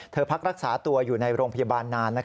พักรักษาตัวอยู่ในโรงพยาบาลนาน